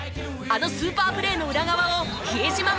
あのスーパープレーの裏側を比江島慎が語ります！